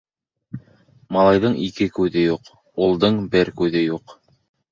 Малайҙың ике күҙе юҡ, улдың бер күҙе юҡ.